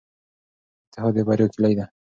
اتحاد د بریا کیلي ده.